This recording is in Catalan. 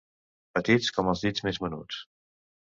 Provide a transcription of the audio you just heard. Petits com els dits més menuts.